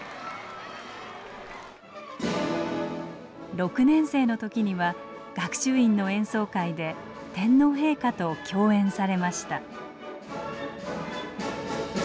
６年生の時には学習院の演奏会で天皇陛下と共演されました。